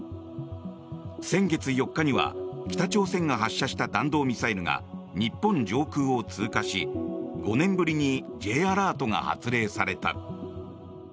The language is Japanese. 先月４日には北朝鮮が発射した弾道ミサイルが日本上空を通過し、５年ぶりにＪアラートが発令された。